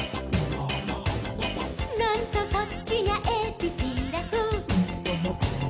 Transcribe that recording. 「なんとそっちにゃえびピラフ」